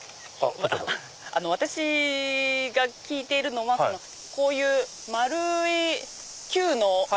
私が聞いているのはこういう丸い球のものを。